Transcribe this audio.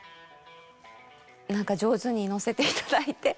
何か上手に乗せていただいて。